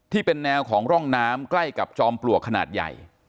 ที่เป็นแนวของร่องน้ำใกล้กับจอมปลวกขนาดใหญ่